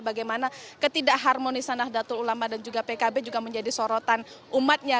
bagaimana ketidak harmonisan nadatul ulama dan juga pkb juga menjadi sorotan umatnya